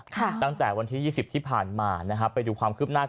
ค่ะตั้งแต่วันที่ที่ผ่านมานะฮะไปดูความคืบหน้ากันหน่อย